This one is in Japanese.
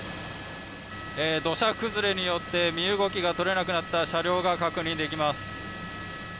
土砂崩れによって身動きが取れなくなった車両が確認できます。